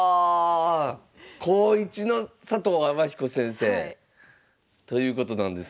高一の佐藤天彦先生ということなんですね。